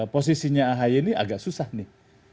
posisinya ahy ini agak susah nih